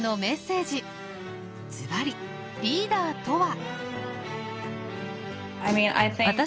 ずばりリーダーとは？